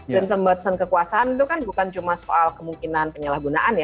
dan pembatasan kekuasaan itu kan bukan cuma soal kemungkinan penyalahgunaan